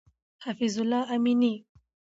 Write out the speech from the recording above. حفیظ الله امینی